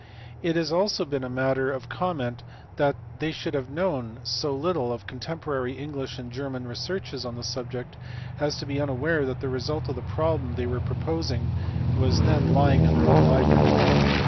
It has been also a matter of comment that they should have known so little of contemporary English and German researches on the subject as to be unaware that the result of the problem they were proposing was then lying in their own library.